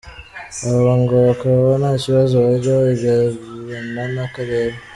Aba ngo bakaba nta kibazo bajya bagirana n’akarere.